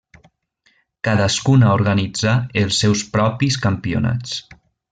Cadascuna organitzà els seus propis campionats.